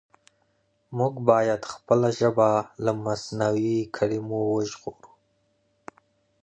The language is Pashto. موږ بايد خپله ژبه له مصنوعي کلمو وژغورو.